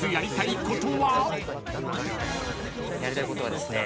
やりたいことはですね